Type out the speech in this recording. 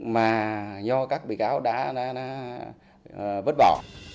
mà do các bị cáo đã bớt bỏ